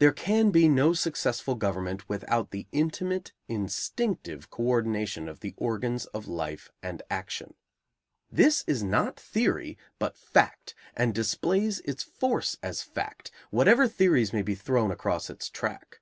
There can be no successful government without the intimate, instinctive co ordination of the organs of life and action. This is not theory, but fact, and displays its force as fact, whatever theories may be thrown across its track.